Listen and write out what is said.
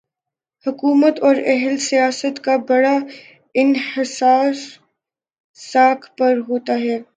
حکومت اوراہل سیاست کا بڑا انحصار ساکھ پر ہوتا ہے۔